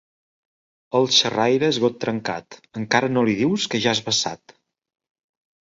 El xerraire és got trencat: encara no li dius que ja és vessat.